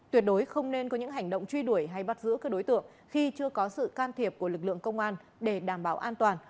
tuyệt đối không nên có những hành động truy đuổi hay bắt giữ các đối tượng khi chưa có sự can thiệp của lực lượng công an để đảm bảo an toàn